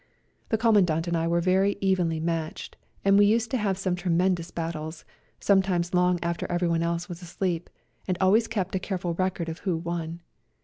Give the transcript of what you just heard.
The Commandant and I were very evenly matched, and we used to have some tremendous battles, sometimes long after everyone else was asleep, and always kept a careful record of who won.